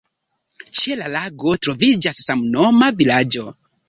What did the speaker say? Ĉe la lago troviĝas samnoma vilaĝo.